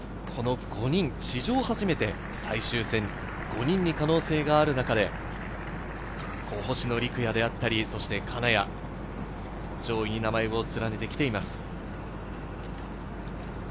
史上初めて最終戦、５人に可能性がある中で、星野陸也であったり、金谷、上位に名前を連ねてきています。